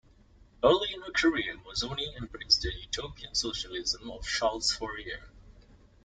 Early in her career Mozzoni embraced the utopian socialism of Charles Fourier.